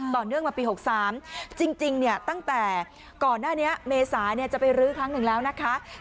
เนื่องมาปี๖๓จริงตั้งแต่ก่อนหน้านี้เมษาจะไปรื้อครั้งหนึ่งแล้วนะคะ